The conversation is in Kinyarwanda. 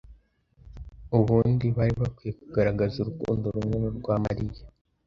Ubundi bari bakwiriye kugaragaza urukundo rumwe n'urwa Mariya